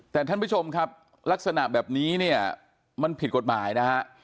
แต่ท่านผู้ชมครับลักษณะแบบนี้เนี่ยมันผิดกฎหมายนะฮะ